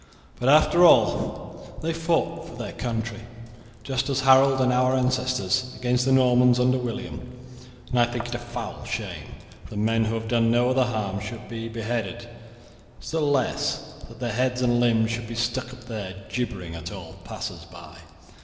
But after all they fought for their country, just as Harold and our ancestors against the Normans under William, and I think it a foul shame that men who have done no other harm should be beheaded, still less that their heads and limbs should be stuck up there gibbering at all passers by.